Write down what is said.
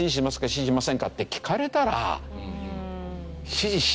支持しませんか？」って聞かれたら。